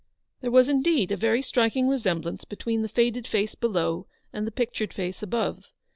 There was indeed a very striking resemblance between the faded face below and the pictured face above.